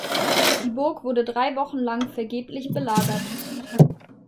Die Burg wurde drei Wochen lang vergeblich belagert.